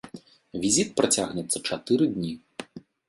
Візіт працягнецца чатыры дні.